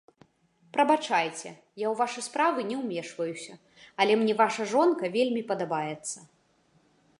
Прабачайце, я ў вашы справы не ўмешваюся, але мне ваша жонка вельмі падабаецца.